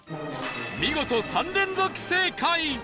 見事３連続正解！